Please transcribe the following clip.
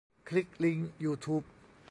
คลิกลิงก์ยูทูบ